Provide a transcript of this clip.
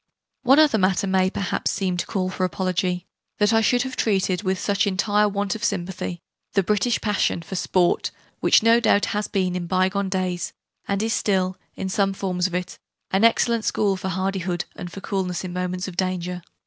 One other matter may perhaps seem to call for apology that I should have treated with such entire want of sympathy the British passion for 'Sport', which no doubt has been in by gone days, and is still, in some forms of it, an excellent school for hardihood and for coolness in moments of danger.